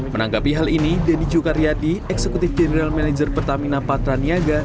menanggapi hal ini denny cukariadi eksekutif general manager pertamina patraniaga